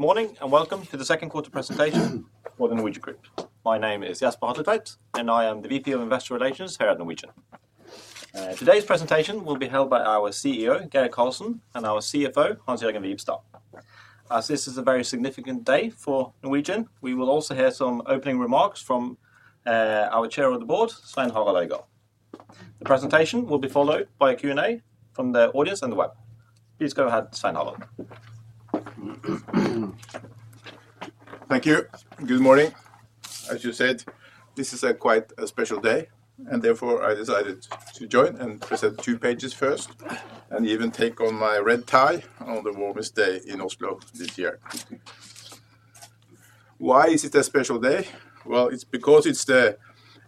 Morning and welcome to the second quarter presentation for the Norwegian Group. My name is Jesper Meyer Hatletveit, and I am the VP of Investor Relations here at Norwegian. Today's presentation will be held by our CEO, Décio da Silva, and our CFO, Hans-Jørgen Wibstad. As this is a very significant day for Norwegian, we will also hear some opening remarks from our Chair of the Board, Svein Harald Øygard. The presentation will be followed by a Q&A from the audience on the web. Please go ahead, Svein Harald. Thank you. Good morning. As you said, this is quite a special day, and therefore I decided to join and present two pages first and even take on my red tie on the warmest day in Oslo this year. Why is it a special day? It is because it's the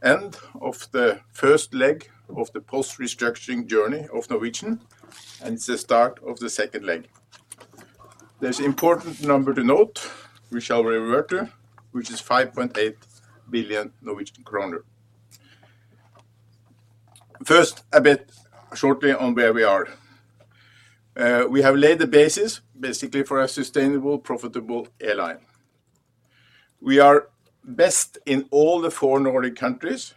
end of the first leg of the post-restructuring journey of Norwegian, and it's the start of the second leg. There's an important number to note we shall revert to, which is 5.8 billion Norwegian kroner. First, a bit shortly on where we are. We have laid the basis basically for a sustainable, profitable airline. We are best in all the four Nordic countries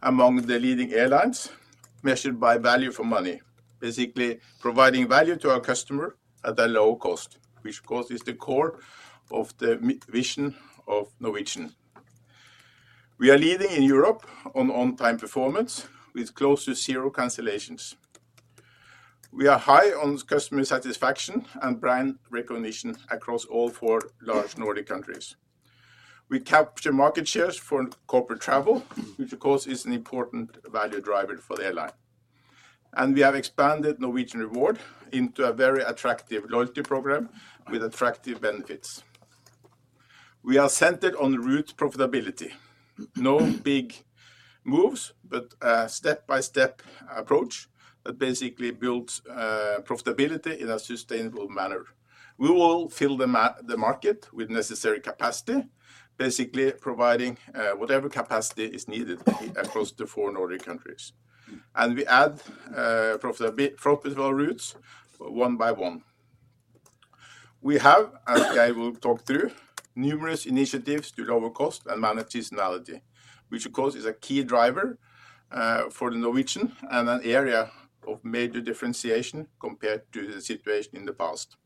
among the leading airlines measured by value for money, basically providing value to our customers at a low cost, which is the core of the vision of Norwegian. We are leading in Europe on on-time performance with close to zero cancellations. We are high on customer satisfaction and brand recognition across all four large Nordic countries. We capture market shares for corporate travel, which of course is an important value driver for the airline. We have expanded Norwegian Reward into a very attractive loyalty program with attractive benefits. We are centered on route profitability. No big moves, but a step-by-step approach that basically builds profitability in a sustainable manner. We will fill the market with necessary capacity, basically providing whatever capacity is needed across the four Nordic countries. We add profitable routes one by one. We have, as I will talk through, numerous initiatives to lower cost and manage seasonality, which of course is a key driver for Norwegian and an area of major differentiation compared to the situation in the past.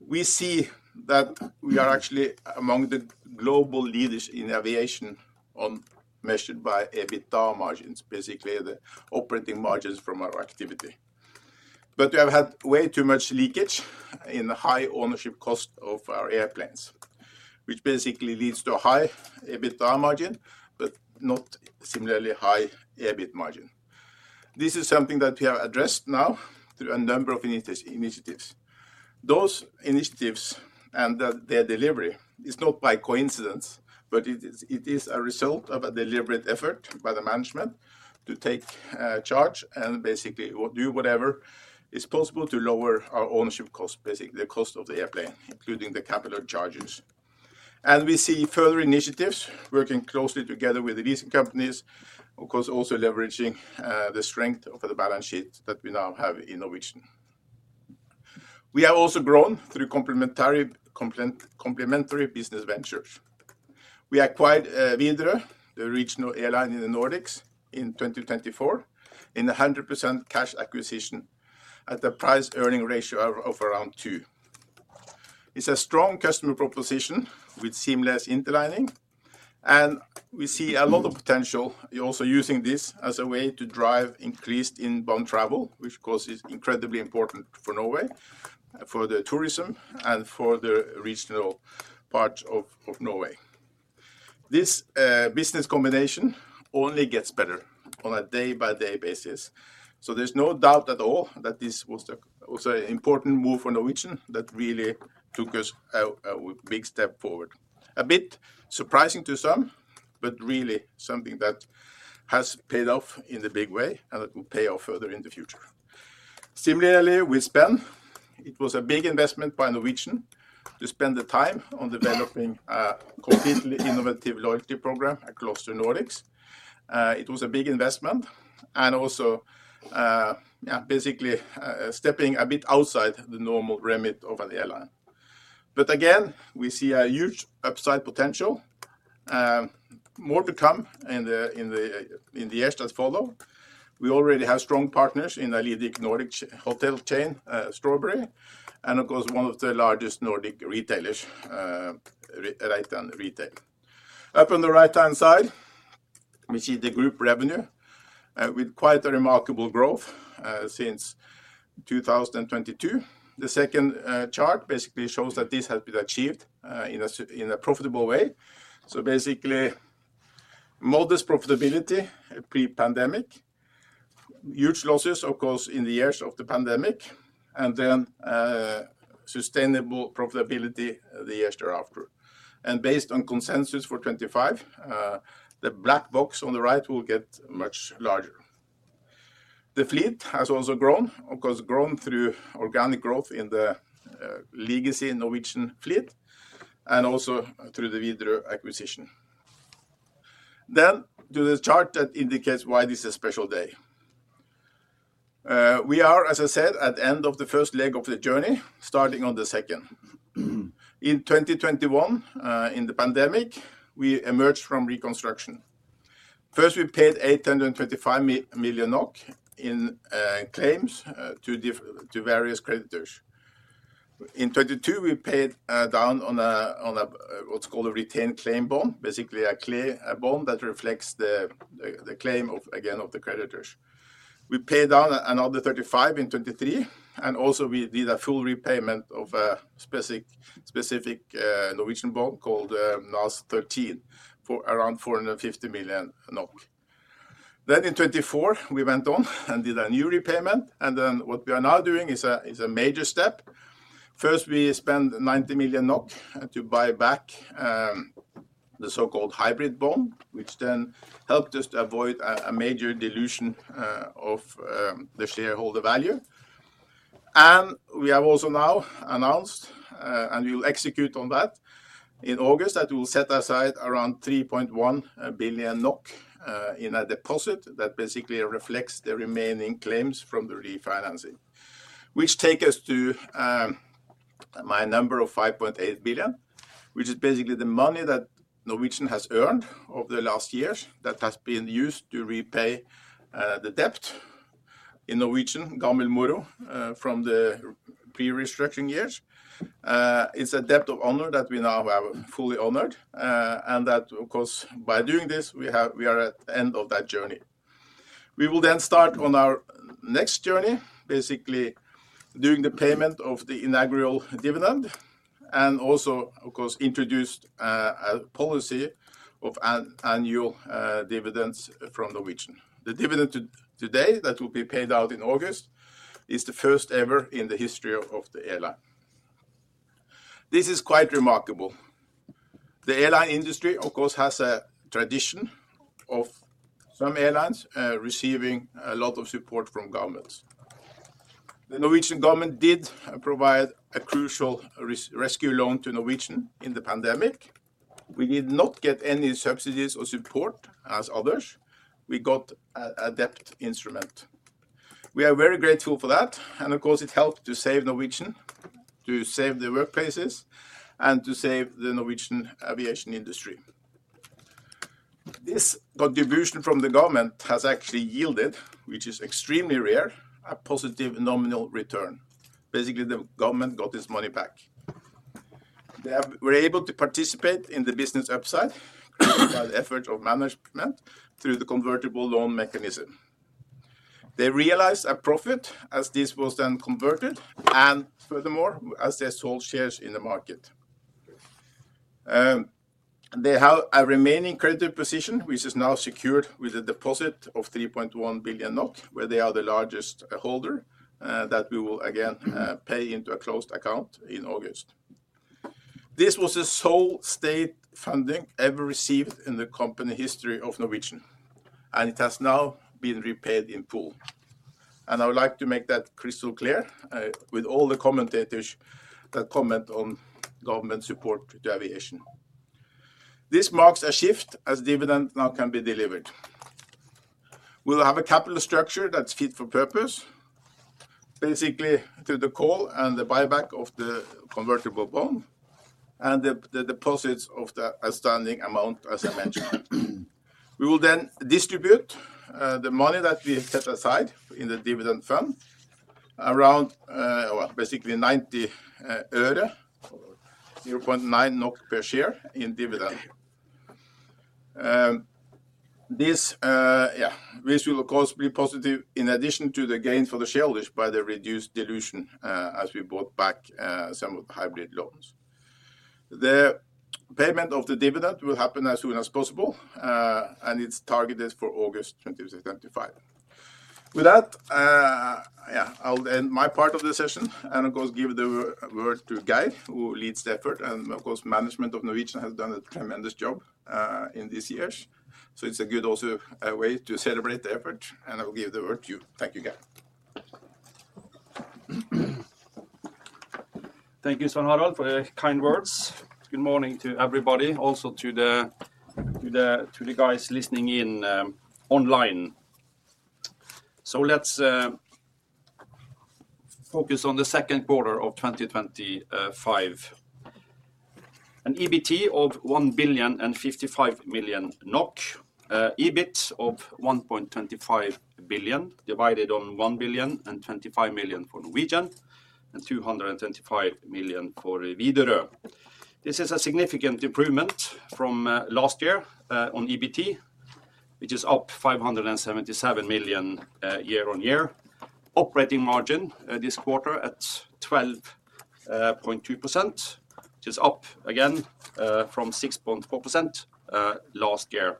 We see that we are actually among the global leaders in aviation measured by EBITDA margins, basically the operating margins from our activity. We have had way too much leakage in the high ownership cost of our airplanes, which basically leads to a high EBITDA margin but not a similarly high EBIT margin. This is something that we have addressed now through a number of initiatives. Those initiatives and their delivery is not by coincidence, but it is a result of a deliberate effort by the management to take charge and basically do whatever is possible to lower our ownership costs, basically the cost of the airplane, including the capital charges. We see further initiatives working closely together with the recent companies, of course also leveraging the strength of the balance sheet that we now have in Norwegian. We have also grown through complementary business ventures. We acquired Widerøe, the regional airline in the Nordics, in 2024 in a 100% cash acquisition at a price-earning ratio of around 2. It's a strong customer proposition with seamless interlining, and we see a lot of potential also using this as a way to drive increased inbound travel, which of course is incredibly important for Norway, for the tourism, and for the regional parts of Norway. This business combination only gets better on a day-by-day basis. There is no doubt at all that this was also an important move for Norwegian that really took us a big step forward. A bit surprising to some, but really something that has paid off in a big way and that will pay off further in the future. Similarly, with Spain, it was a big investment by Norwegian to spend the time on developing a completely innovative loyalty program across the Nordics. It was a big investment and also basically stepping a bit outside the normal remit of an airline. Again, we see a huge upside potential. More to come in the years that follow. We already have strong partners in the leading Nordic hotel chain, Strawberry, and of course one of the largest Nordic retailers, Reitan Retail. Up on the right-hand side, we see the group revenue with quite a remarkable growth since 2022. The second chart basically shows that this has been achieved in a profitable way. Basically, modest profitability pre-pandemic, huge losses of course in the years of the pandemic, and then sustainable profitability the years thereafter. Based on consensus for 2025, the black box on the right will get much larger. The fleet has also grown, of course grown through organic growth in the legacy Norwegian fleet and also through the Widerøe acquisition. To the chart that indicates why this is a special day. We are, as I said, at the end of the first leg of the journey, starting on the second. In 2021, in the pandemic, we emerged from reconstruction. First, we paid 825 million in claims to various creditors. In 2022, we paid down on what's called a retained claim bond, basically a claim bond that reflects the claim again of the creditors. We paid down another 35 million in 2023, and also we did a full repayment of a specific Norwegian bond called NAS13 for around 450 million NOK. In 2024, we went on and did a new repayment, and what we are now doing is a major step. First, we spent 90 million NOK to buy back the so-called hybrid bond, which then helped us to avoid a major dilution of the shareholder value. We have also now announced, and we will execute on that in August, that we will set aside around 3.1 billion NOK in a deposit that basically reflects the remaining claims from the refinancing, which takes us to my number of 5.8 billion, which is basically the money that Norwegian has earned over the last years that has been used to repay the debt in Norwegian, Gammel Moro, from the pre-restructuring years. It's a debt of honor that we now have fully honored, and by doing this, we are at the end of that journey. We will then start on our next journey, basically doing the payment of the inaugural dividend and also introduced a policy of annual dividends from Norwegian. The dividend today that will be paid out in August is the first ever in the history of the airline. This is quite remarkable. The airline industry has a tradition of some airlines receiving a lot of support from governments. The Norwegian government did provide a crucial rescue loan to Norwegian in the pandemic. We did not get any subsidies or support as others. We got a debt instrument. We are very grateful for that, and it helped to save Norwegian, to save the workplaces, and to save the Norwegian aviation industry. This contribution from the government has actually yielded, which is extremely rare, a positive nominal return. The government got its money back. They were able to participate in the business upside by the efforts of management through the convertible loan mechanism. They realized a profit as this was then converted, and furthermore as they sold shares in the market. They have a remaining credit position, which is now secured with a deposit of 3.1 billion NOK, where they are the largest holder that we will again pay into a closed account in August. This was the sole state funding ever received in the company history of Norwegian, and it has now been repaid in full. I would like to make that crystal clear with all the commentators that comment on government support to aviation. This marks a shift as dividends now can be delivered. We'll have a capital structure that's fit for purpose, basically through the call and the buyback of the convertible bond and the deposits of the outstanding amount, as I mentioned. We will then distribute the money that we set aside in the dividend fund, around NOK 0.90 per share in dividend. This will of course be positive in addition to the gain for the shareholders by the reduced dilution as we bought back some of the hybrid loans. The payment of the dividend will happen as soon as possible, and it's targeted for August 2025. With that, I'll end my part of the session and of course give the word to Décio, who leads the effort, and of course management of Norwegian has done a tremendous job in these years. It's a good also way to celebrate the effort, and I'll give the word to you. Thank you, Décio. Thank you, Svein Harald, for your kind words. Good morning to everybody, also to the guys listening in online. Let's focus on the second quarter of 2025. An EBT of 1.055 billion, EBIT of 1.25 billion divided on 1.025 billion for Norwegian and 225 million for Widerøe. This is a significant improvement from last year on EBT, which is up 577 million year-on-year. Operating margin this quarter at 12.2%, which is up again from 6.4% last year.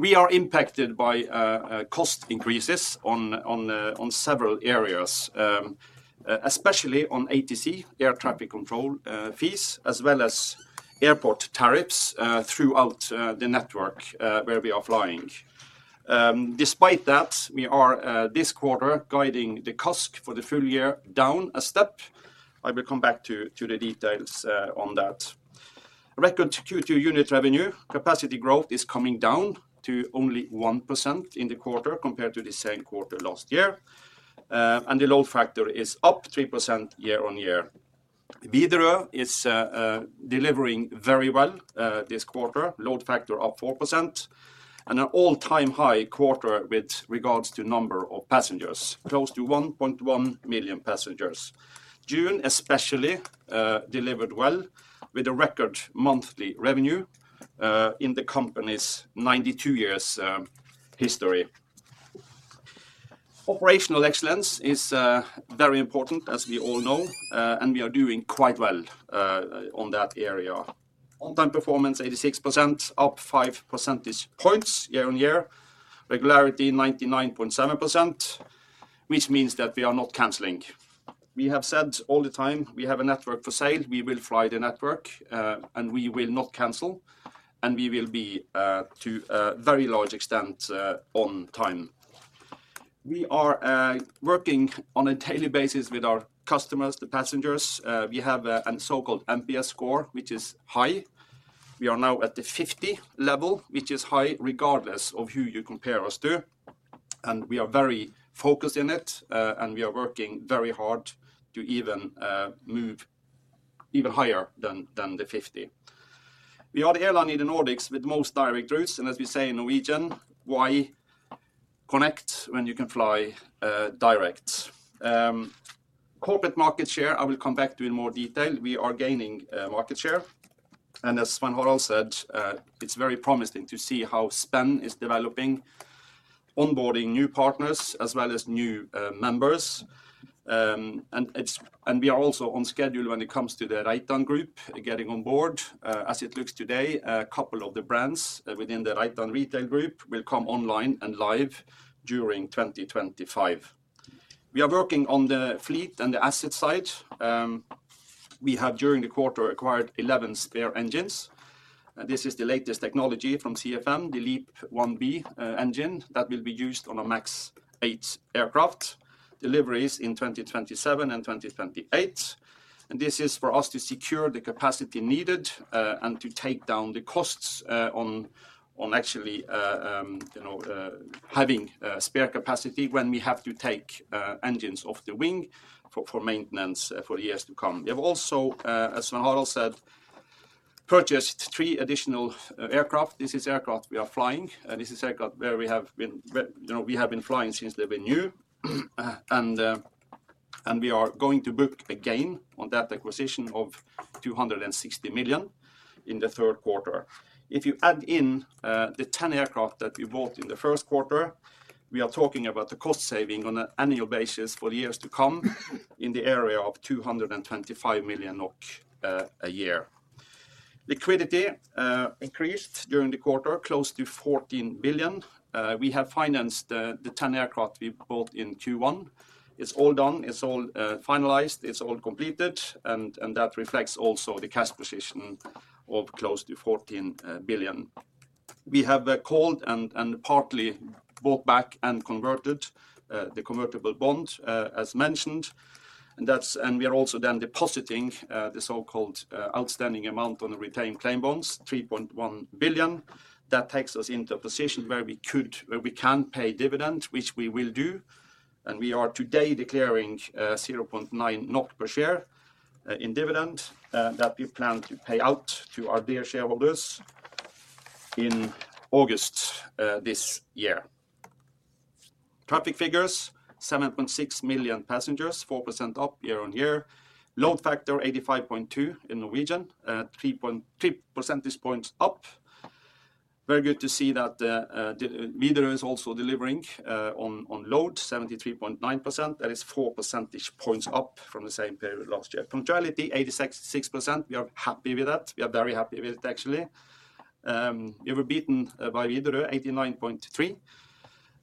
We are impacted by cost increases on several areas, especially on ATC, air traffic control fees, as well as airport tariffs throughout the network where we are flying. Despite that, we are this quarter guiding the CASC for the full year down a step. I will come back to the details on that. Record Q2 unit revenue capacity growth is coming down to only 1% in the quarter compared to the same quarter last year, and the load factor is up 3% year-on-year. Widerøe is delivering very well this quarter, load factor up 4%, and an all-time high quarter with regards to number of passengers, close to 1.1 million passengers. June especially delivered well with a record monthly revenue in the company's 92 years history. Operational excellence is very important as we all know, and we are doing quite well on that area. On-time performance 86%, up 5 percentage points year-on-year. Regularity 99.7%, which means that we are not canceling. We have said all the time we have a network for sale, we will fly the network, and we will not cancel, and we will be to a very large extent on time. We are working on a daily basis with our customers, the passengers. We have a so-called NPS score, which is high. We are now at the 50 level, which is high regardless of who you compare us to, and we are very focused on it, and we are working very hard to even move even higher than the 50. We are the airline in the Nordics with most direct routes, and as we say in Norwegian, why connect when you can fly direct? Corporate market share, I will come back to in more detail. We are gaining market share, and as Svein Harald said, it's very promising to see how Spenn is developing, onboarding new partners as well as new members, and we are also on schedule when it comes to the Reitan Retail Group getting on board. As it looks today, a couple of the brands within the Reitan Retail Group will come online and live during 2025. We are working on the fleet and the asset side. We have during the quarter acquired 11 spare engines. This is the latest technology from CFM, the LEAP 1B engine that will be used on a MAX 8 aircraft. Deliveries in 2027 and 2028, and this is for us to secure the capacity needed and to take down the costs on actually having spare capacity when we have to take engines off the wing for maintenance for years to come. We have also, as Svein Harald said, purchased three additional aircraft. This is aircraft we are flying. This is aircraft where we have been flying since they were new, and we are going to book again on that acquisition of 260 million in the third quarter. If you add in the 10 aircraft that we bought in the first quarter, we are talking about the cost saving on an annual basis for years to come in the area of 225 million NOK a year. Liquidity increased during the quarter, close to 14 billion. We have financed the 10 aircraft we bought in Q1. It's all done. It's all finalized. It's all completed, and that reflects also the cash position of close to 14 billion. We have called and partly bought back and converted the convertible bond, as mentioned, and we are also then depositing the so-called outstanding amount on the retained claim bonds, 3.1 billion. That takes us into a position where we could, where we can pay dividend, which we will do, and we are today declaring 0.9 per share in dividend that we plan to pay out to our dear shareholders in August this year. Traffic figures, 7.6 million passengers, 4% up year-on-year. Load factor 85.2% in Norwegian, 3 percentage points up. Very good to see that Widerøe is also delivering on load, 73.9%. That is 4 percentage points up from the same period last year. Punctuality, 86%. We are happy with that. We are very happy with it, actually. We were beaten by Widerøe, 89.3%.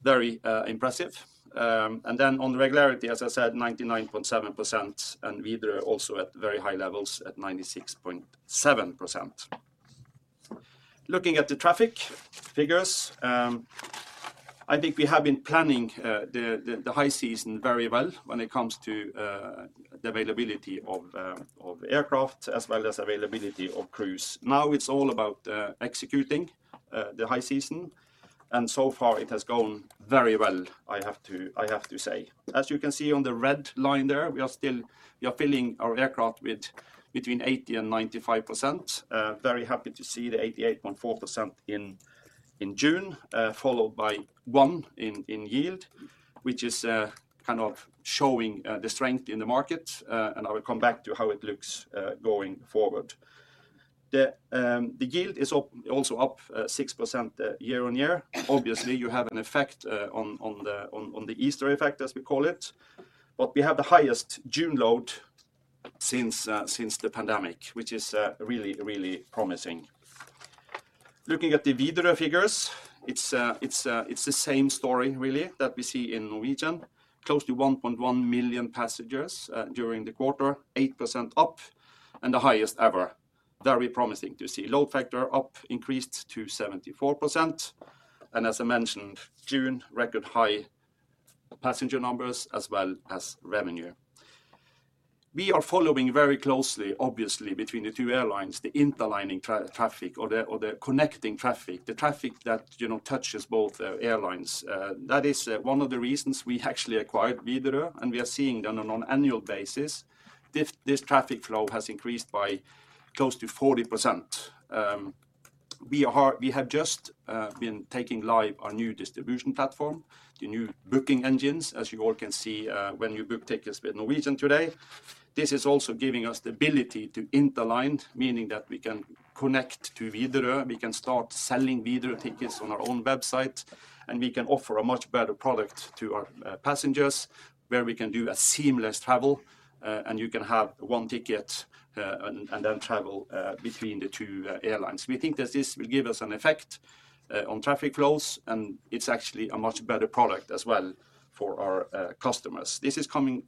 Very impressive. On the regularity, as I said, 99.7% and Widerøe also at very high levels at 96.7%. Looking at the traffic figures, I think we have been planning the high season very well when it comes to the availability of aircraft as well as availability of crews. Now it's all about executing the high season, and so far it has gone very well, I have to say. As you can see on the red line there, we are still filling our aircraft with between 80% and 95%. Very happy to see the 88.4% in June, followed by 1% in yield, which is kind of showing the strength in the market, and I will come back to how it looks going forward. The yield is also up 6% year-on-year. Obviously, you have an effect on the Easter effect, as we call it, but we have the highest June load since the pandemic, which is really, really promising. Looking at the Widerøe figures, it's the same story really that we see in Norwegian, close to 1.1 million passengers during the quarter, 8% up and the highest ever. Very promising to see. Load factor up, increased to 74%, and as I mentioned, June, record high passenger numbers as well as revenue. We are following very closely, obviously, between the two airlines, the interlining traffic or the connecting traffic, the traffic that touches both airlines. That is one of the reasons we actually acquired Widerøe, and we are seeing that on an annual basis, this traffic flow has increased by close to 40%. We have just been taking live our new distribution platform, the new booking engines, as you all can see when you book tickets with Norwegian today. This is also giving us the ability to interline, meaning that we can connect to Widerøe, we can start selling Widerøe tickets on our own website, and we can offer a much better product to our passengers where we can do a seamless travel, and you can have one ticket and then travel between the two airlines. We think that this will give us an effect on traffic flows, and it's actually a much better product as well for our customers. This is coming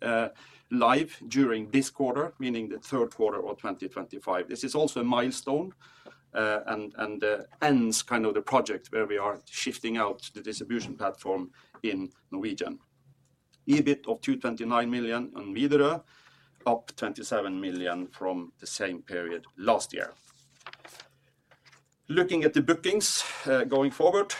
live during this quarter, meaning the third quarter of 2025. This is also a milestone and ends kind of the project where we are shifting out the distribution platform in Norwegian. EBIT of 229 million on Widerøe, up 27 million from the same period last year. Looking at the bookings going forward,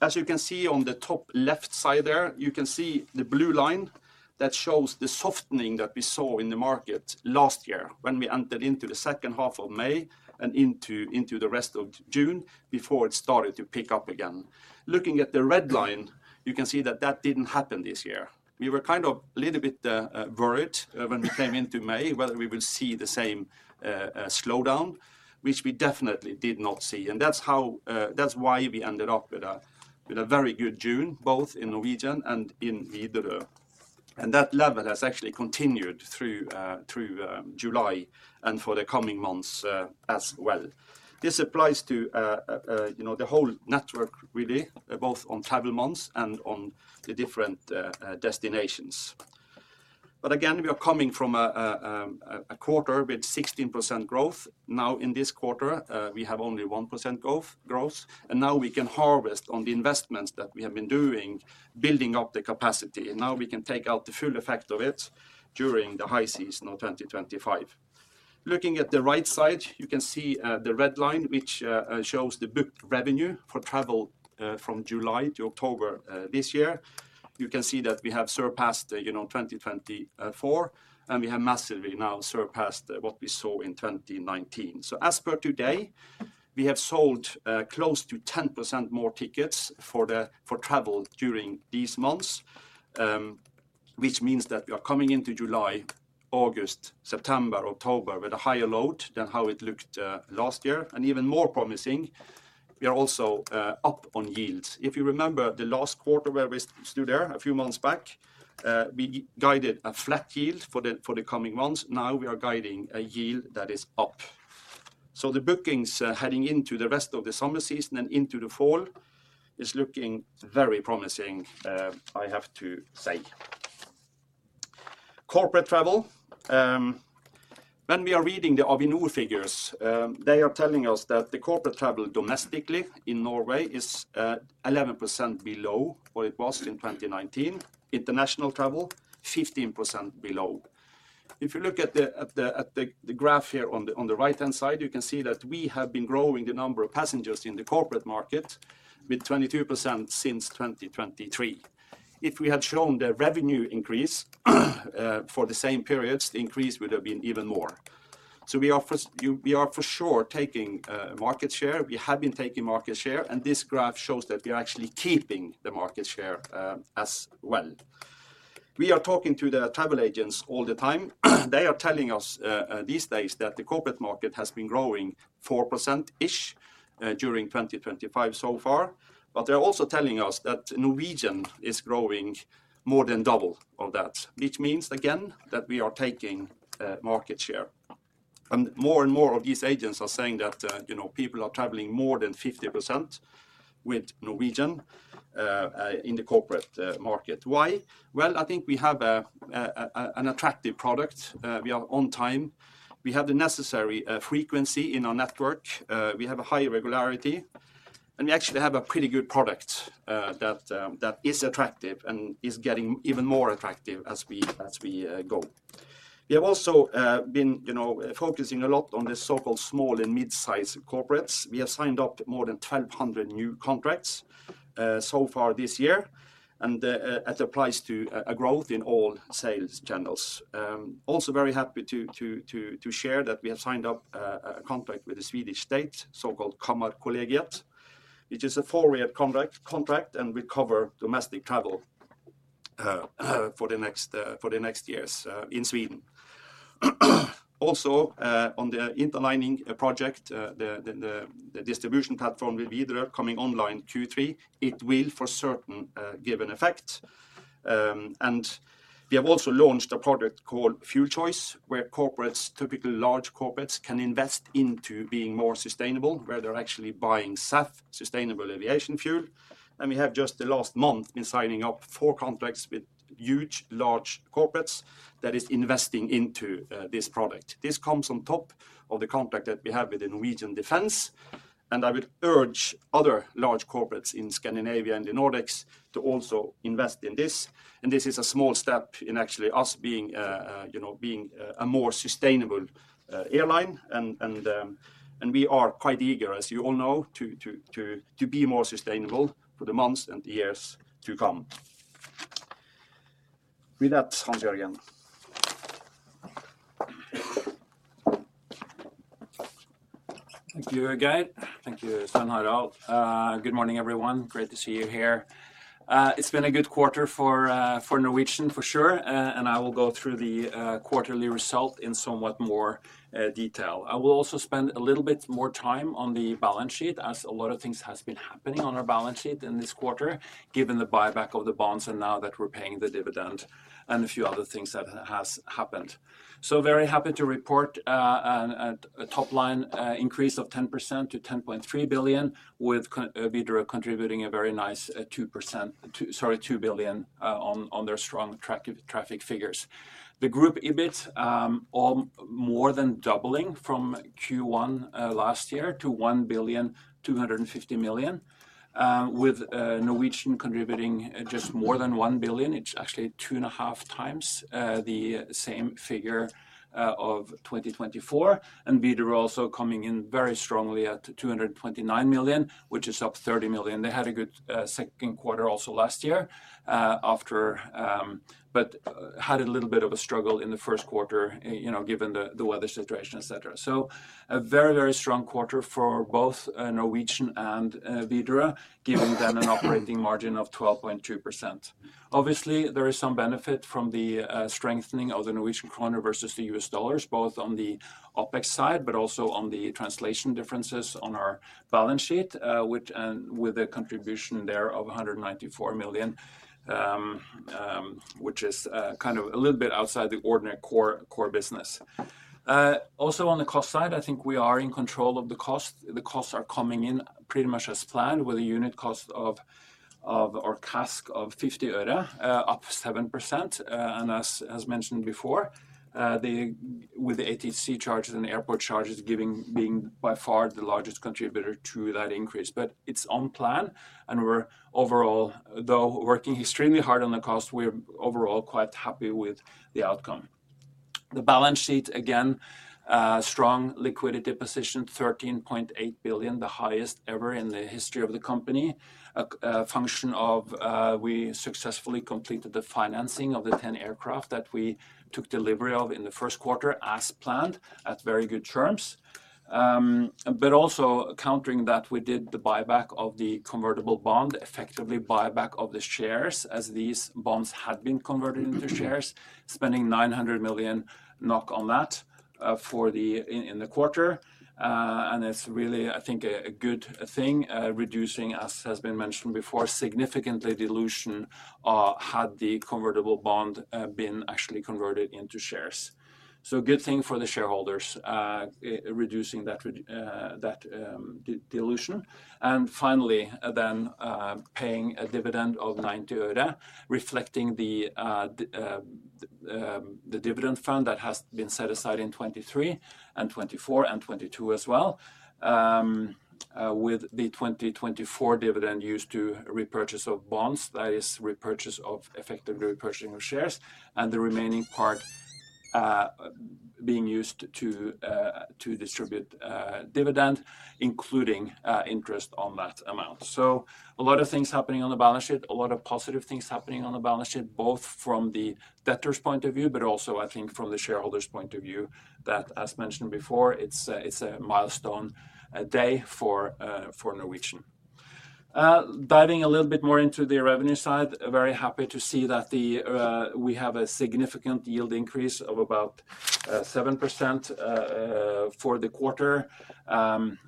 as you can see on the top left side there, you can see the blue line that shows the softening that we saw in the market last year when we entered into the second half of May and into the rest of June before it started to pick up again. Looking at the red line, you can see that that didn't happen this year. We were kind of a little bit worried when we came into May whether we will see the same slowdown, which we definitely did not see, and that's why we ended up with a very good June, both in Norwegian and in Widerøe. That level has actually continued through July and for the coming months as well. This applies to the whole network really, both on travel months and on the different destinations. We are coming from a quarter with 16% growth. Now in this quarter, we have only 1% growth, and now we can harvest on the investments that we have been doing, building up the capacity, and now we can take out the full effect of it during the high season of 2025. Looking at the right side, you can see the red line, which shows the booked revenue for travel from July to October this year. You can see that we have surpassed 2024, and we have massively now surpassed what we saw in 2019. As per today, we have sold close to 10% more tickets for travel during these months, which means that we are coming into July, August, September, October with a higher load than how it looked last year, and even more promising. We are also up on yields. If you remember the last quarter where we stood there a few months back, we guided a flat yield for the coming months. Now we are guiding a yield that is up. The bookings heading into the rest of the summer season and into the fall are looking very promising, I have to say. Corporate travel, when we are reading the Avinor figures, they are telling us that the corporate travel domestically in Norway is 11% below what it was in 2019. International travel, 15% below. If you look at the graph here on the right-hand side, you can see that we have been growing the number of passengers in the corporate market with 22% since 2023. If we had shown the revenue increase for the same period, the increase would have been even more. We are for sure taking market share. We have been taking market share, and this graph shows that we are actually keeping the market share as well. We are talking to the travel agents all the time. They are telling us these days that the corporate market has been growing 4%-ish during 2025 so far, but they are also telling us that Norwegian is growing more than double of that, which means again that we are taking market share. More and more of these agents are saying that people are traveling more than 50% with Norwegian in the corporate market. Why? I think we have an attractive product. We are on time. We have the necessary frequency in our network. We have a high regularity, and we actually have a pretty good product that is attractive and is getting even more attractive as we go. We have also been focusing a lot on the so-called small and mid-sized corporates. We have signed up more than 1,200 new contracts so far this year, and it applies to a growth in all sales channels. Also very happy to share that we have signed up a contract with the Swedish state, so-called Kammarkollegiet, which is a four-year contract and will cover domestic travel for the next years in Sweden. Also on the interlining project, the distribution platform with Widerøe coming online Q3, it will for certain give an effect. We have also launched a product called Fuel Choice, where corporates, typically large corporates, can invest into being more sustainable, where they're actually buying SAF, Sustainable Aviation Fuel. We have just the last month been signing up four contracts with huge large corporates that are investing into this product. This comes on top of the contract that we have with the Norwegian Defense. I would urge other large corporates in Scandinavia and the Nordics to also invest in this. This is a small step in actually us being a more sustainable airline. We are quite eager, as you all know, to be more sustainable for the months and the years to come. With that, Hans-Jørgen. Thank you, Décio. Thank you, Svein Harald. Good morning, everyone. Great to see you here. It's been a good quarter for Norwegian for sure, and I will go through the quarterly result in somewhat more detail. I will also spend a little bit more time on the balance sheet, as a lot of things have been happening on our balance sheet in this quarter, given the buyback of the bonds and now that we're paying the dividend and a few other things that have happened. Very happy to report a top-line increase of 10% to 10.3 billion, with Widerøe contributing a very nice 2 billion on their strong traffic figures. The group EBIT is more than doubling from Q1 last year to 1.25 billion, with Norwegian contributing just more than 1 billion. It's actually 2.5x the same figure of 2024. Widerøe is also coming in very strongly at 229 million, which is up 30 million. They had a good second quarter also last year, but had a little bit of a struggle in the first quarter, given the weather situation, etc. A very, very strong quarter for both Norwegian and Widerøe, giving them an operating margin of 12.2%. Obviously, there is some benefit from the strengthening of the Norwegian kroner versus the US dollars, both on the OpEx side, but also on the translation differences on our balance sheet, with a contribution there of 194 million, which is kind of a little bit outside the ordinary core business. Also on the cost side, I think we are in control of the cost. The costs are coming in pretty much as planned, with a unit cost of our CASC of NOK 0.50, up 7%. As mentioned before, the ATC charges and airport charges are by far the largest contributor to that increase. It's on plan, and we're overall, though working extremely hard on the cost, we're overall quite happy with the outcome. The balance sheet, again, strong liquidity position, 13.8 billion, the highest ever in the history of the company. A function of we successfully completed the financing of the 10 aircraft that we took delivery of in the first quarter as planned at very good terms. Also countering that, we did the buyback of the convertible bond, effectively buyback of the shares as these bonds had been converted into shares, spending 900 million NOK on that in the quarter. It's really, I think, a good thing, reducing, as has been mentioned before, significantly the dilution had the convertible bond been actually converted into shares. A good thing for the shareholders, reducing that dilution. Finally, paying a dividend of NOK 90, reflecting the dividend fund that has been set aside in 2023, 2024, and 2022 as well, with the 2024 dividend used to repurchase bonds, that is effectively repurchasing shares, and the remaining part being used to distribute dividend, including interest on that amount. A lot of things are happening on the balance sheet, a lot of positive things happening on the balance sheet, both from the debtors' point of view, but also from the shareholders' point of view. As mentioned before, it's a milestone day for Norwegian. Diving a little bit more into the revenue side, very happy to see that we have a significant yield increase of about 7% for the quarter.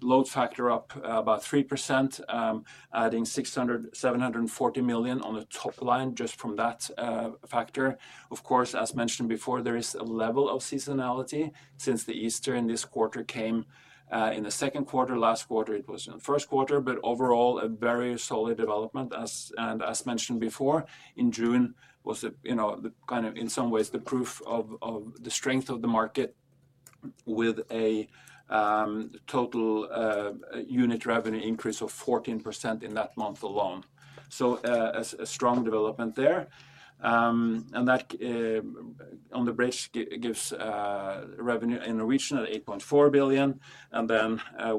Load factor is up about 3%, adding 740 million on the top line just from that factor. Of course, as mentioned before, there is a level of seasonality since Easter in this quarter came in the second quarter. Last quarter it was in the first quarter, but overall a very solid development. As mentioned before, June was in some ways the proof of the strength of the market with a total unit revenue increase of 14% in that month alone. A strong development there. That on the bridge gives revenue in Norwegian 8.4 billion,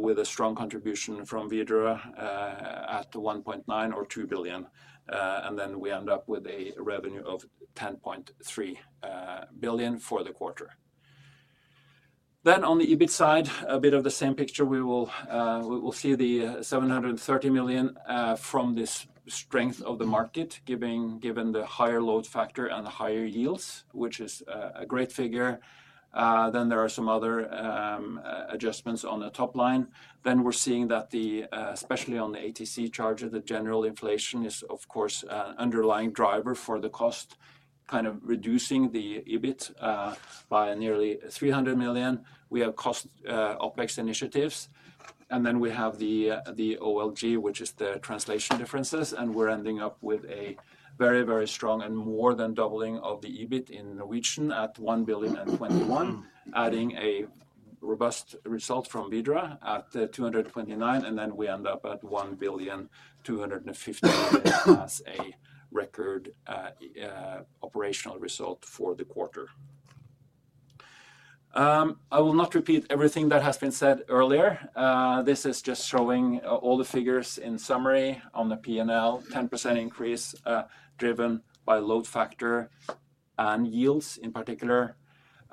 with a strong contribution from Widerøe at 1.9 or 2 billion. We end up with a revenue of 10.3 billion for the quarter. On the EBIT side, a bit of the same picture. We see the 730 million from this strength of the market, given the higher load factor and the higher yields, which is a great figure. There are some other adjustments on the top line. We're seeing that especially on the ATC charge, the general inflation is of course an underlying driver for the cost, reducing the EBIT by nearly 300 million. We have cost OpEx initiatives, and then we have the OLG, which is the translation differences, and we're ending up with a very, very strong and more than doubling of the EBIT in Norwegian at 1.021 billion, adding a robust result from Widerøe at 229 million, and then we end up at 1.25 billion as a record operational result for the quarter. I will not repeat everything that has been said earlier. This is just showing all the figures in summary on the P&L, 10% increase driven by load factor and yields in particular.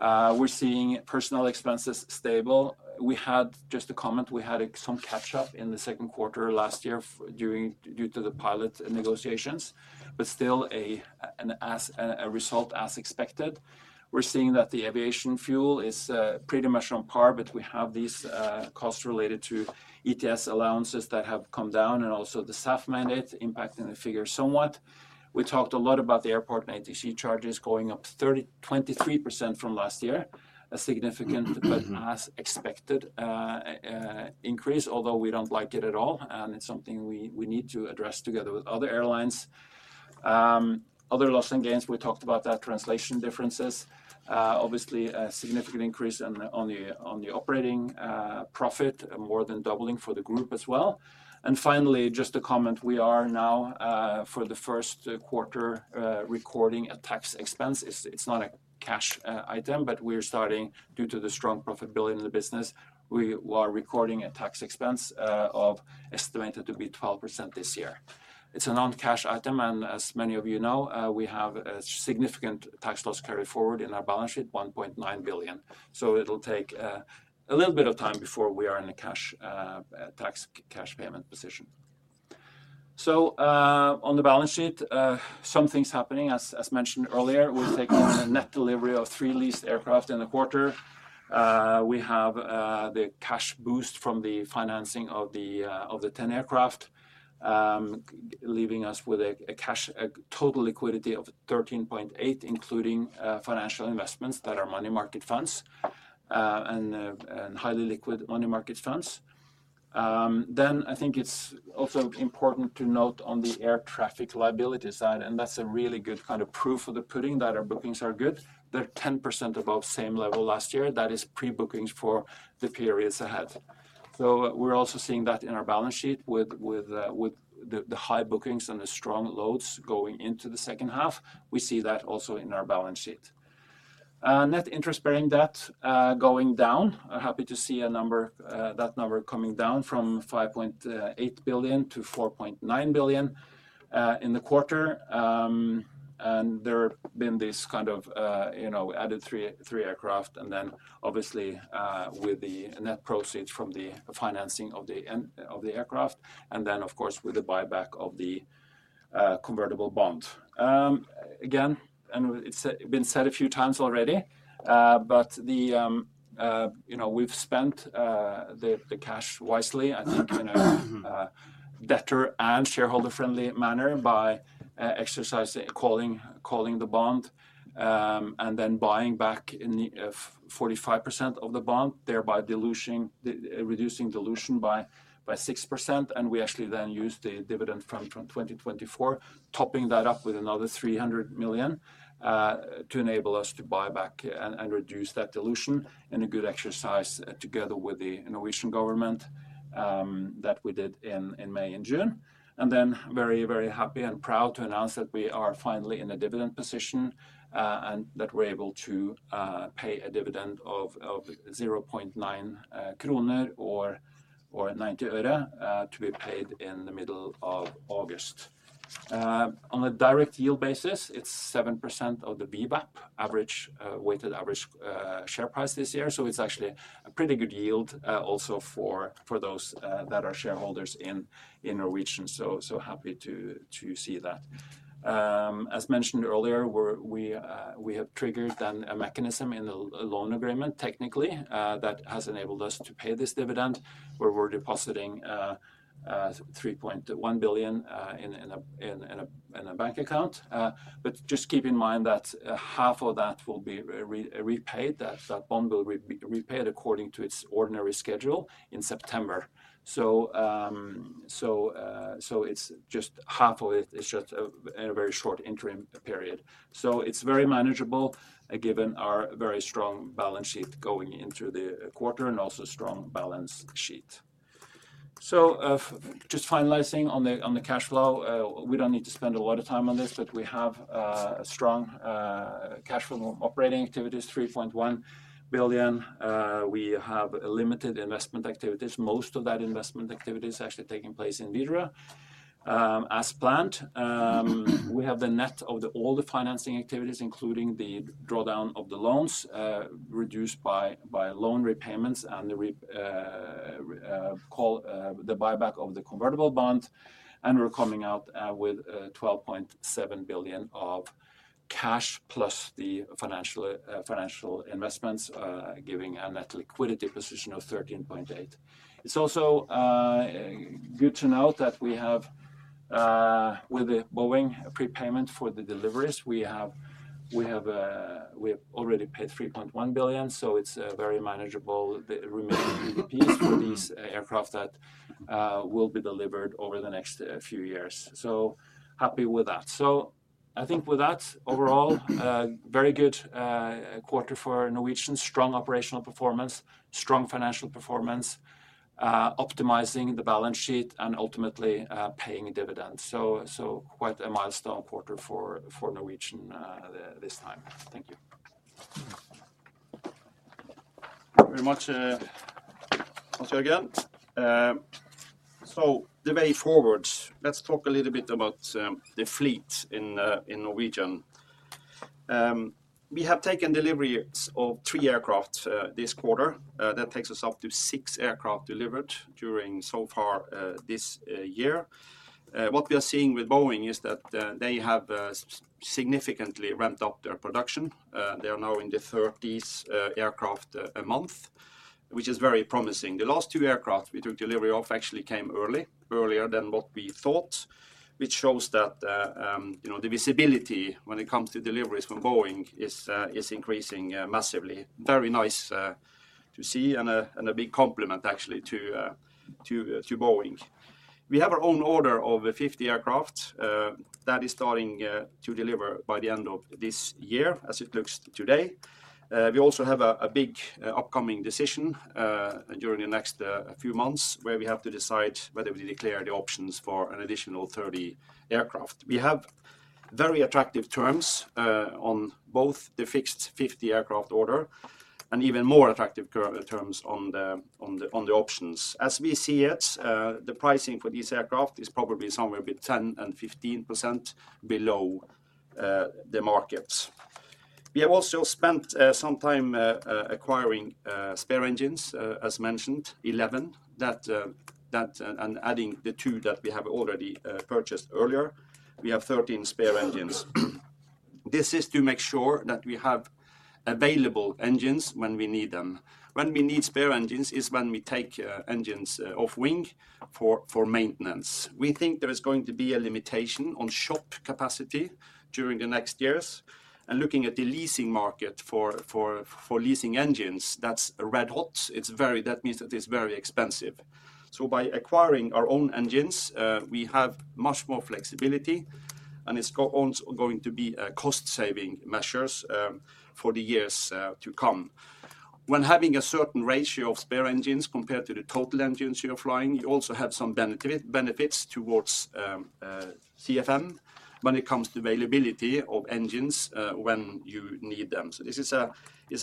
We're seeing personnel expenses stable. We had just a comment. We had some catch-up in the second quarter last year due to the pilot negotiations, but still a result as expected. We're seeing that the aviation fuel is pretty much on par, but we have these costs related to ETS allowances that have come down and also the SAF mandate impacting the figure somewhat. We talked a lot about the airport and ATC charges going up 23% from last year, a significant but as expected increase, although we don't like it at all, and it's something we need to address together with other airlines. Other loss and gains, we talked about that translation differences. Obviously, a significant increase on the operating profit, more than doubling for the group as well. Finally, just a comment. We are now for the first quarter recording a tax expense. It's not a cash item, but we're starting due to the strong profitability in the business. We are recording a tax expense estimated to be 12% this year. It's a non-cash item, and as many of you know, we have a significant tax loss carried forward in our balance sheet, 1.9 billion. It'll take a little bit of time before we are in a cash payment position. On the balance sheet, some things happening. As mentioned earlier, we're taking a net delivery of three leased aircraft in a quarter. We have the cash boost from the financing of the 10 aircraft, leaving us with a total liquidity of 13.8 billion, including financial investments that are money market funds and highly liquid money market funds. I think it's also important to note on the air traffic liability side, and that's a really good kind of proof of the pudding that our bookings are good. They're 10% above same level last year. That is pre-bookings for the periods ahead. We're also seeing that in our balance sheet with the high bookings and the strong loads going into the second half. We see that also in our balance sheet. Net interest bearing debt going down. Happy to see that number coming down from 5.8 billion to 4.9 billion in the quarter. There have been this kind of, you know, added three aircraft and then obviously with the net proceeds from the financing of the aircraft and then of course with the buyback of the convertible bond. We've spent the cash wisely, I think in a debtor and shareholder-friendly manner by exercising, calling the bond and then buying back 45% of the bond, thereby reducing dilution by 6%. We actually then use the dividend from 2024, topping that up with another 300 million to enable us to buy back and reduce that dilution in a good exercise together with the Norwegian government that we did in May and June. I am very, very happy and proud to announce that we are finally in a dividend position and that we're able to pay a dividend of 0.9 kroner or NOK 0.90 to be paid in the middle of August. On a direct yield basis, it's 7% of the VWAP average, weighted average share price this year. It's actually a pretty good yield also for those that are shareholders in Norwegian. Happy to see that. As mentioned earlier, we have triggered a mechanism in the loan agreement technically that has enabled us to pay this dividend where we're depositing 3.1 billion in a bank account. Just keep in mind that half of that will be repaid, that bond will be repaid according to its ordinary schedule in September. Half of it is just in a very short interim period. It's very manageable given our very strong balance sheet going into the quarter and also strong balance sheet. Just finalizing on the cash flow, we don't need to spend a lot of time on this, but we have a strong cash flow from operating activities, 3.1 billion. We have limited investment activities. Most of that investment activity is actually taking place in Widerøe. As planned, we have the net of all the financing activities, including the drawdown of the loans reduced by loan repayments and the buyback of the convertible bond. We're coming out with 12.7 billion of cash plus the financial investments, giving a net liquidity position of 13.8 billion. It's also good to note that we have with the Boeing prepayment for the deliveries, we have already paid 3.1 billion. It's very manageable, the remaining PDPs for these aircraft that will be delivered over the next few years. Happy with that. I think with that, overall, very good quarter for Norwegian, strong operational performance, strong financial performance, optimizing the balance sheet, and ultimately paying a dividend. Quite a milestone quarter for Norwegian this time. Thank you. Thank you very much, Hans-Jørgen. The way forward, let's talk a little bit about the fleet in Norwegian. We have taken delivery of three aircraft this quarter. That takes us up to six aircraft delivered so far this year. What we are seeing with Boeing is that they have significantly ramped up their production. They are now in the 30 aircraft a month, which is very promising. The last two aircraft we took delivery of actually came early, earlier than what we thought, which shows that the visibility when it comes to deliveries from Boeing is increasing massively. Very nice to see and a big compliment actually to Boeing. We have our own order of 50 aircraft that is starting to deliver by the end of this year, as it looks today. We also have a big upcoming decision during the next few months where we have to decide whether we declare the options for an additional 30 aircraft. We have very attractive terms on both the fixed 50 aircraft order and even more attractive terms on the options. As we see it, the pricing for these aircraft is probably somewhere between 10% and 15% below the markets. We have also spent some time acquiring spare engines, as mentioned, 11, and adding the two that we have already purchased earlier. We have 13 spare engines. This is to make sure that we have available engines when we need them. When we need spare engines is when we take engines off wing for maintenance. We think there is going to be a limitation on shop capacity during the next years. Looking at the leasing market for leasing engines, that's red hot. That means that it's very expensive. By acquiring our own engines, we have much more flexibility, and it's going to be a cost-saving measure for the years to come. When having a certain ratio of spare engines compared to the total engines you're flying, you also have some benefits towards CFM when it comes to availability of engines when you need them. This is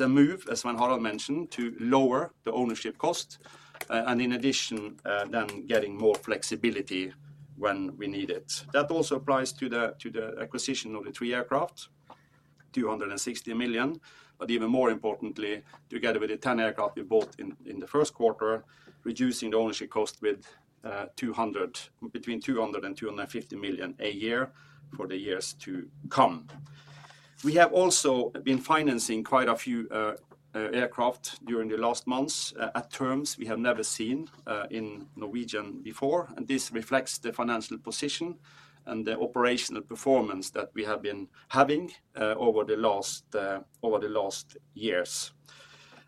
a move, as Svein Harald mentioned, to lower the ownership cost and in addition then getting more flexibility when we need it. That also applies to the acquisition of the three aircraft, 260 million, but even more importantly, together with the 10 aircraft we bought in the first quarter, reducing the ownership cost between 200 million and 250 million a year for the years to come. We have also been financing quite a few aircraft during the last months at terms we have never seen in Norwegian before, and this reflects the financial position and the operational performance that we have been having over the last years.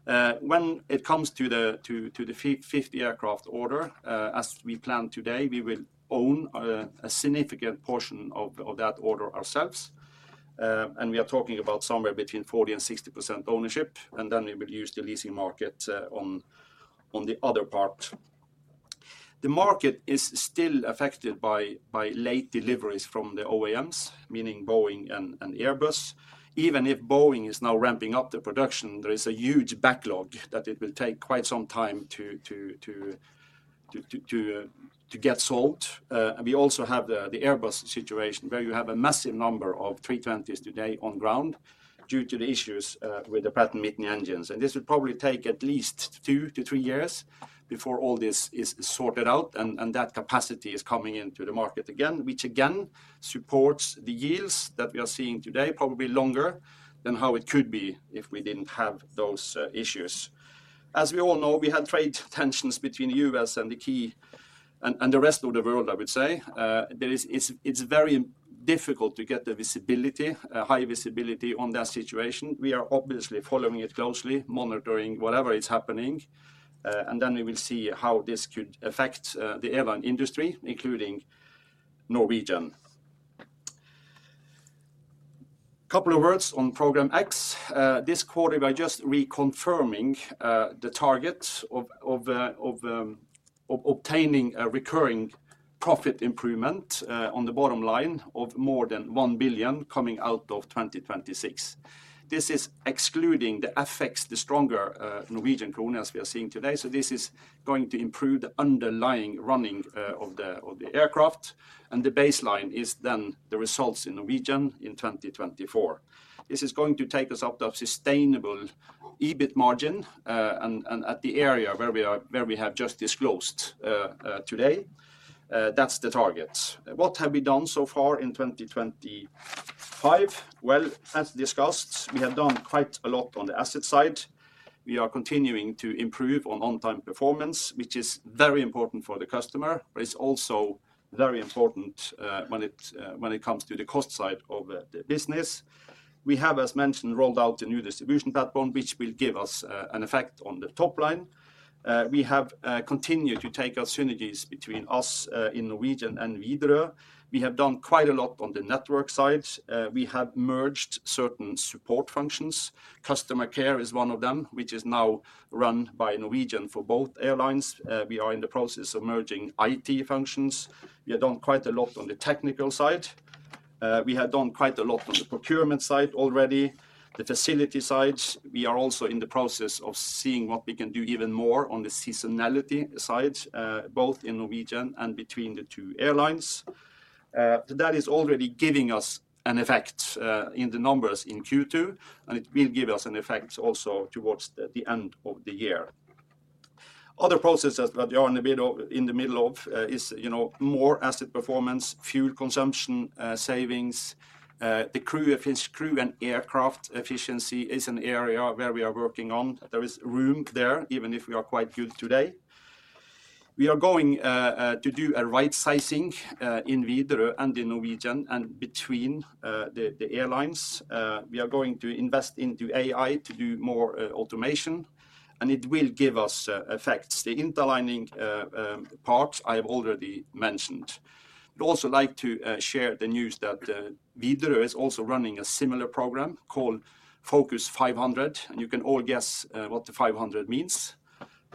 When it comes to the 50 aircraft order, as we plan today, we will own a significant portion of that order ourselves, and we are talking about somewhere between 40% and 60% ownership, and then we will use the leasing market on the other part. The market is still affected by late deliveries from the OEMs, meaning Boeing and Airbus. Even if Boeing is now ramping up the production, there is a huge backlog that it will take quite some time to get solved. We also have the Airbus situation where you have a massive number of 320s today on ground due to the issues with the Pratt & Whitney engines, and this will probably take at least two to three years before all this is sorted out, and that capacity is coming into the market again, which again supports the yields that we are seeing today, probably longer than how it could be if we didn't have those issues. As we all know, we had trade tensions between the U.S. and the rest of the world, I would say. It's very difficult to get the high visibility on that situation. We are obviously following it closely, monitoring whatever is happening, and we will see how this could affect the airline industry, including Norwegian. A couple of words on Program X. This quarter, by just reconfirming the target of obtaining a recurring profit improvement on the bottom line of more than 1 billion coming out of 2026. This is excluding the FX, the stronger Norwegian krona as we are seeing today. This is going to improve the underlying running of the aircraft, and the baseline is then the results in Norwegian in 2024. This is going to take us up to a sustainable EBIT margin, and at the area where we have just disclosed today, that's the target. What have we done so far in 2025? As discussed, we have done quite a lot on the asset side. We are continuing to improve on on-time performance, which is very important for the customer, but it's also very important when it comes to the cost side of the business. We have, as mentioned, rolled out the new distribution platform, which will give us an effect on the top line. We have continued to take out synergies between us in Norwegian and Widerøe. We have done quite a lot on the network side. We have merged certain support functions. Customer care is one of them, which is now run by Norwegian for both airlines. We are in the process of merging IT functions. We have done quite a lot on the technical side. We have done quite a lot on the procurement side already, the facility side. We are also in the process of seeing what we can do even more on the seasonality side, both in Norwegian and between the two airlines. That is already giving us an effect in the numbers in Q2, and it will give us an effect also towards the end of the year. Other processes that we are in the middle of is more asset performance, fuel consumption savings. The crew and aircraft efficiency is an area where we are working on. There is room there, even if we are quite good today. We are going to do a right sizing in Widerøe and in Norwegian and between the airlines. We are going to invest into AI to do more automation, and it will give us effects. The interlining part I have already mentioned. I'd also like to share the news that Widerøe is also running a similar program called Focus 500, and you can all guess what the 500 means,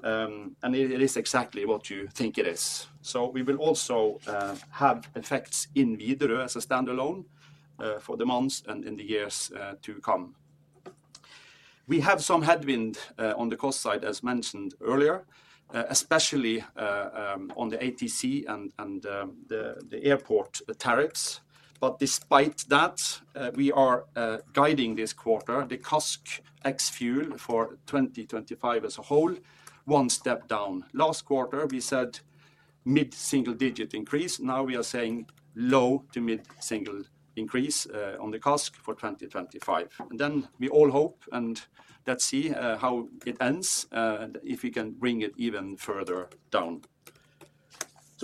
and it is exactly what you think it is. We will also have effects in Widerøe as a standalone for the months and in the years to come. We have some headwind on the cost side, as mentioned earlier, especially on the ATC and the airport tariffs. Despite that, we are guiding this quarter the CASC ex-fuel for 2025 as a whole, one step down. Last quarter, we said mid-single digit increase. Now we are saying low to mid-single increase on the CASC for 2025. We all hope and let's see how it ends and if we can bring it even further down.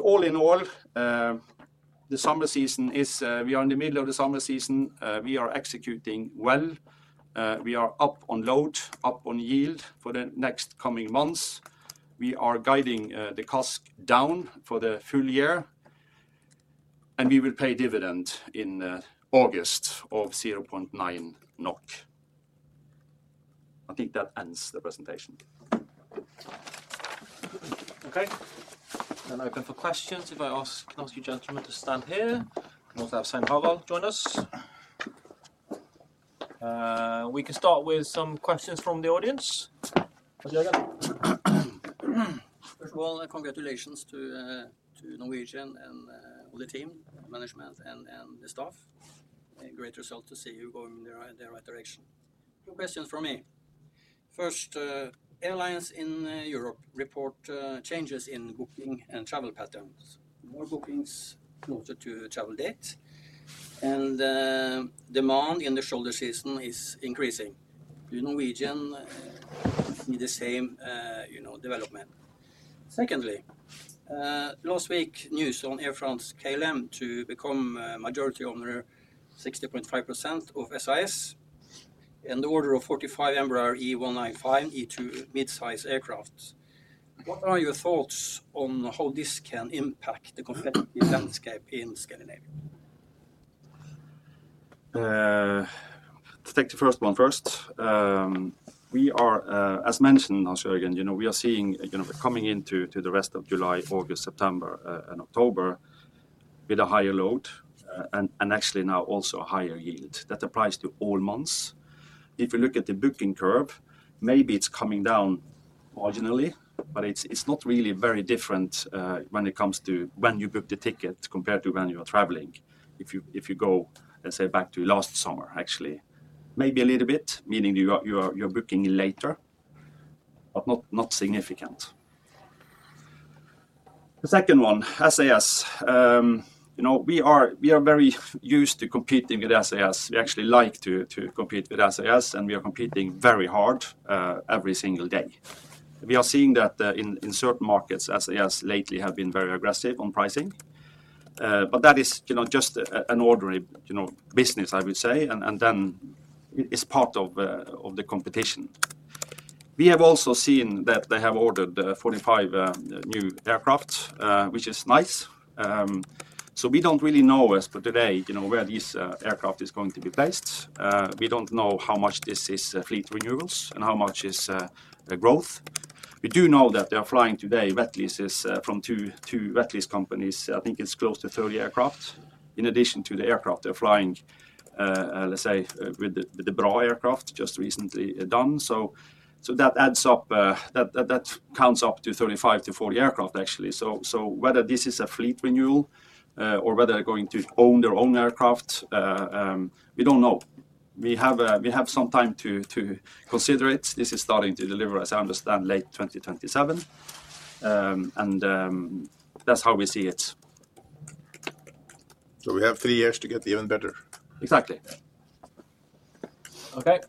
All in all, the summer season is, we are in the middle of the summer season. We are executing well. We are up on load, up on yield for the next coming months. We are guiding the CASC down for the full year, and we will pay dividend in August of 0.9 NOK. I think that ends the presentation. Okay, open for questions. Can I ask you gentlemen to stand here? Can I also have Svein Harald join us? We can start with some questions from the audience. First of all, congratulations to Norwegian and all the team, management, and the staff. Great result to see you going in the right direction. Two questions from me. First, airlines in Europe report changes in booking and travel patterns. More bookings closer to travel dates, and demand in the shoulder season is increasing. Do Norwegian need the same development? Secondly, last week news on Air France-KLM to become a majority owner, 60.5% of SAS, and the order of 45 Embraer E195 E2 mid-size aircraft. What are your thoughts on how this can impact the competitive landscape in Scandinavia? To take the first one first, we are, as mentioned, Hans-Jørgen, we are seeing coming into the rest of July, August, September, and October with a higher load and actually now also a higher yield. That applies to all months. If we look at the booking curve, maybe it's coming down marginally, but it's not really very different when it comes to when you book the ticket compared to when you are traveling. If you go, let's say, back to last summer, actually, maybe a little bit, meaning you are booking later, but not significant. The second one, SAS. We are very used to competing with SAS. We actually like to compete with SAS, and we are competing very hard every single day. We are seeing that in certain markets, SAS lately have been very aggressive on pricing, but that is just an ordinary business, I would say, and it is part of the competition. We have also seen that they have ordered 45 new aircraft, which is nice. We don't really know as per today where these aircraft are going to be placed. We don't know how much this is fleet renewals and how much is growth. We do know that they are flying today wet leases from two wet lease companies. I think it's close to 30 aircraft. In addition to the aircraft they are flying, let's say, with the BRA aircraft just recently done. That counts up to 35 to 40 aircraft, actually. Whether this is a fleet renewal or whether they're going to own their own aircraft, we don't know. We have some time to consider it. This is starting to deliver, as I understand, late 2027, and that's how we see it. We have three years to get even better. Exactly. Okay.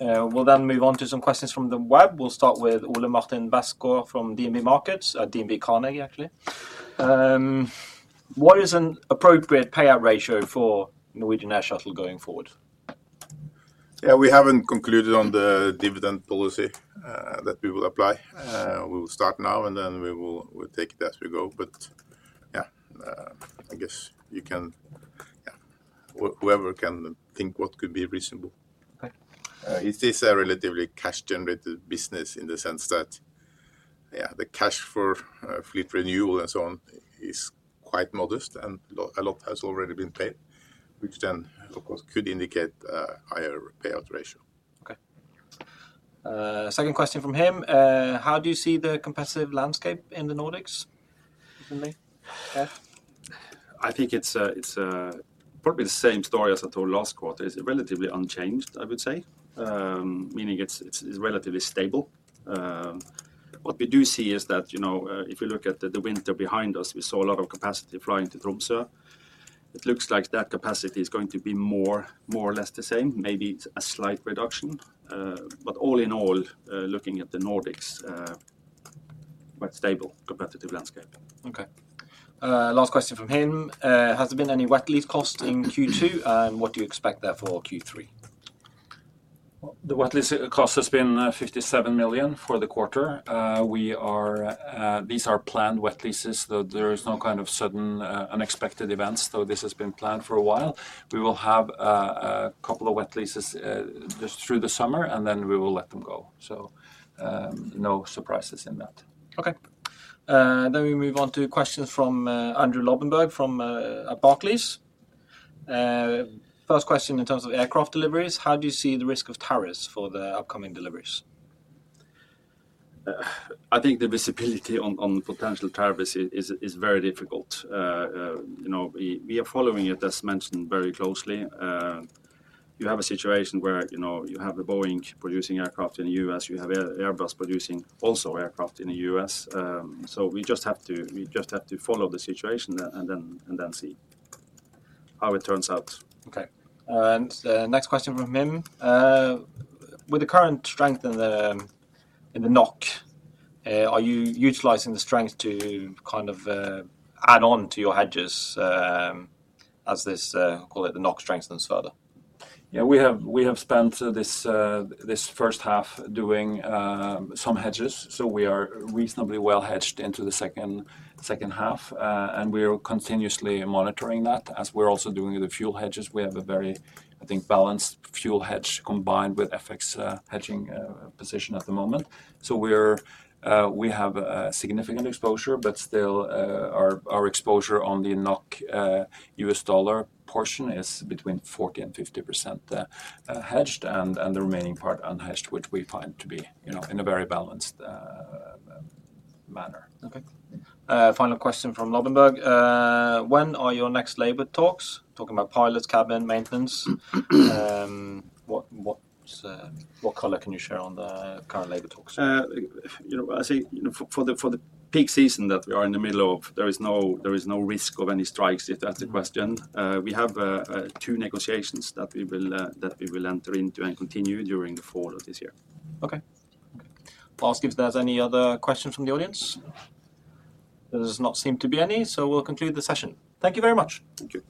We'll then move on to some questions from the web. We'll start with Ole Martin Vasco from DNB Markets, DNB Carnegie actually. What is an appropriate payout ratio for Norwegian Air Shuttle going forward? Yeah, we haven't concluded on the dividend policy that we will apply. We will start now and then we will take it as we go. I guess you can, yeah, whoever can think what could be reasonable. Okay. It is a relatively cash-generated business in the sense that the cash for fleet renewal and so on is quite modest, and a lot has already been paid, which then of course could indicate a higher payout ratio. Okay. Second question from him. How do you see the competitive landscape in the Nordics? I think it's probably the same story as I told last quarter. It's relatively unchanged, I would say, meaning it's relatively stable. What we do see is that, you know, if we look at the winter behind us, we saw a lot of capacity flying to Tromsø. It looks like that capacity is going to be more or less the same, maybe a slight reduction. All in all, looking at the Nordics, quite stable competitive landscape. Okay. Last question from him. Has there been any wet lease cost in Q2, and what do you expect there for Q3? The wet lease cost has been 57 million for the quarter. These are planned wet leases, though there is no kind of sudden unexpected events, though this has been planned for a while. We will have a couple of wet leases just through the summer and then we will let them go. No surprises in that. Okay. We move on to questions from Andrew Lobbenberg from Barclays. First question in terms of aircraft deliveries. How do you see the risk of tariffs for the upcoming deliveries? I think the visibility on potential tariffs is very difficult. We are following it, as mentioned, very closely. You have a situation where you have Boeing producing aircraft in the U.S., you have Airbus producing also aircraft in the U.S. We just have to follow the situation and then see how it turns out. Okay. The next question from him. With the current strength in the NOK, are you utilizing the strength to kind of add on to your hedges as the NOK strengthens further? Yeah, we have spent this first half doing some hedges. We are reasonably well hedged into the second half, and we are continuously monitoring that as we're also doing the fuel hedges. We have a very, I think, balanced fuel hedge combined with FX hedging position at the moment. We have significant exposure, but still our exposure on the NOK/US dollar portion is between 40% and 50% hedged, and the remaining part unhedged, which we find to be in a very balanced manner. Okay. Final question from Lobbenberg. When are your next labor talks? Talking about pilots, cabin, maintenance. What color can you share on the current labor talks? I think for the peak season that we are in the middle of, there is no risk of any strikes if that's the question. We have two negotiations that we will enter into and continue during the fall of this year. Okay. I'll ask if there's any other questions from the audience. There does not seem to be any, so we'll conclude the session. Thank you very much. Thank you.